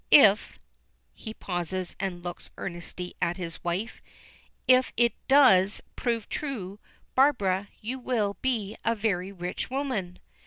If " he pauses, and looks earnestly at his wife. "If it does prove true, Barbara, you will be a very rich woman."